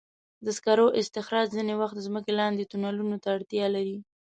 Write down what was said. د سکرو استخراج ځینې وختونه د ځمکې لاندې تونلونو ته اړتیا لري.